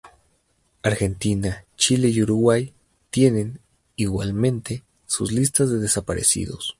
Argentina, Chile y Uruguay tienen, igualmente, sus listas de desaparecidos.